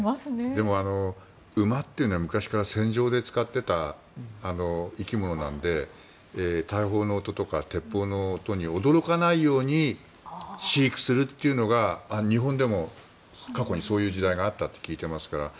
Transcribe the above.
でも、馬っていうのは昔から戦場で使っていた生き物なので大砲の音とか鉄砲の音に驚かないように飼育するというのが、日本でも過去にそういう時代があったって聞いていますから。